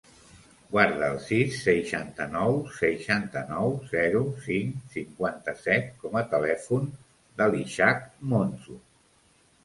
Guarda el sis, seixanta-nou, seixanta-nou, zero, cinc, cinquanta-set com a telèfon de l'Ishak Monzo.